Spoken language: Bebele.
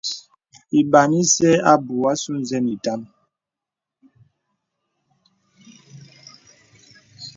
Lbàn ìsə̀ inə abū àsū nzə̀n itàm.